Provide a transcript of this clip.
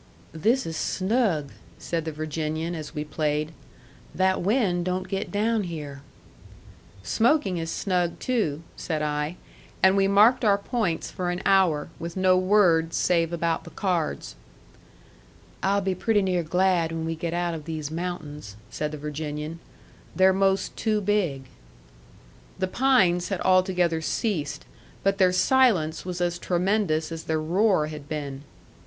"This is snug," said the Virginian, as we played. "That wind don't get down here." "Smoking is snug, too," said I. And we marked our points for an hour, with no words save about the cards. "I'll be pretty near glad when we get out of these mountains," said the Virginian. "They're most too big." The pines had altogether ceased; but their silence was as tremendous as their roar had been.